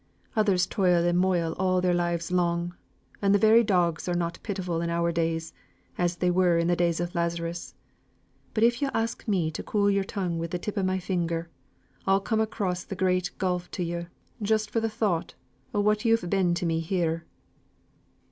Others toil and moil all their lives long and the very dogs are not pitiful in our days, as they were in the days of Lazarus. But if yo' ask me to cool yo're tongue wi' th' tip of my finger, I'll come across the great gulf to yo' just for th' thought o' what yo've been to me here."